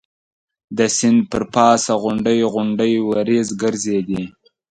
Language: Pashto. د سیند پر پاسه غونډۍ غونډۍ وریځ ګرځېدې.